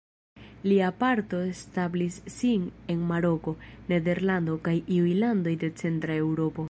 Alia parto establis sin en Maroko, Nederlando kaj iuj landoj de Centra Eŭropo.